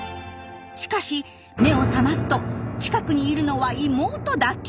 しかし目を覚ますと近くにいるのは妹だけ。